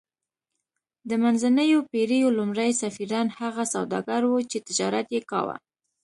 د منځنیو پیړیو لومړي سفیران هغه سوداګر وو چې تجارت یې کاوه